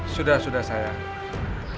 sudah sudah sayang